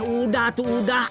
udah tuh udah